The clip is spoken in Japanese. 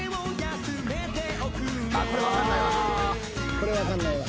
これ分かんないわ。